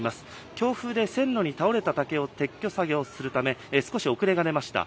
強風で線路に倒れた竹を撤去作業するため、少し遅れが出ました。